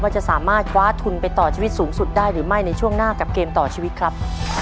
จะสามารถคว้าทุนไปต่อชีวิตสูงสุดได้หรือไม่ในช่วงหน้ากับเกมต่อชีวิตครับ